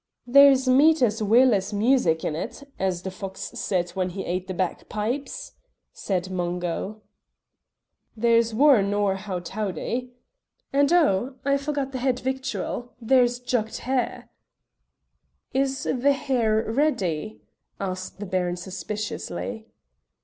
"There's meat as weel as music in it, as the fox said when he ate the bagpipes," said Mungo. "There's waur nor howtowdy. And oh! I forgot the het victual, there's jugged hare." "Is the hare ready?" asked the Baron suspiciously.